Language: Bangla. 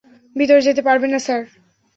ভিতরে যেতে পারবেন না, স্যার।